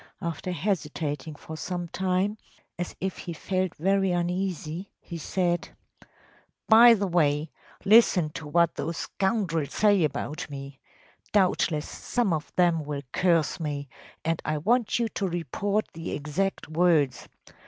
After hesitating for some time, as if he felt very uneasy, he said: “By the way, listen to what those scoundrels say about me. Doubtless some of them will curse me, and I want you to report the exact words.